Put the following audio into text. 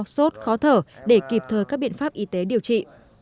sốt khó thở để kịp thời các biện pháp y tế điều trị